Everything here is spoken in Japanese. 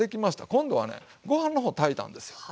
今度はねご飯の方炊いたんですよ。